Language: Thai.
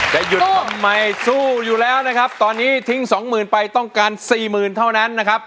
จะหยุดทำไมสู้อยู่แล้วนะครับตอนนี้ทิ้งสองหมื่นไปต้องการสี่หมื่นเท่านั้นนะครับ